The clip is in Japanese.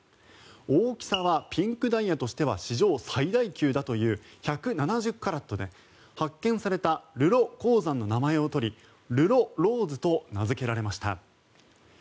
大きさはピンクダイヤとしては史上最大級だという１７０カラットで発見されたルロ鉱山の名前を取りルロ・ローズと名付けられました。